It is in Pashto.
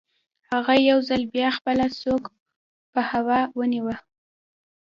هغه یو ځل بیا خپله سوک په هوا کې ونیو